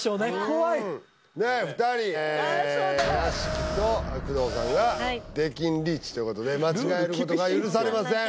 怖い２人屋敷と工藤さんが出禁リーチということで間違えることが許されません